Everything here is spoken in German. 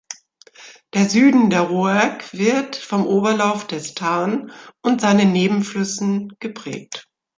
Der Süden der Rouergue wird vom Oberlauf des Tarn und seinen Nebenflüssen geprägt.